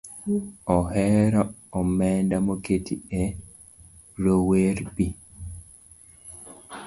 ohero omenda moketi ne rowereB.